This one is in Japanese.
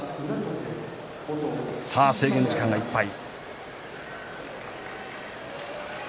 さあ制限時間がいっぱい。